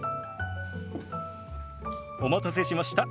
お待たせしました。